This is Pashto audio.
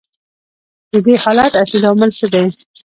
د دې حالت اصلي لامل څه دی